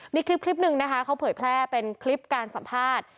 มีคลิปหนึ่งนะคะเขาเผยแพร่เป็นคลิปการสัมภาษณ์